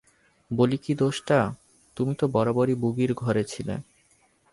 বলি কি দোষটা, তুমি তো বরাবরই বুগির ঘরে ছিলে?